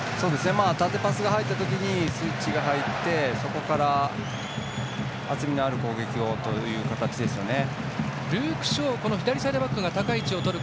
縦パスが入った時スイッチが入ってそこから厚みのある攻撃という形ですよね。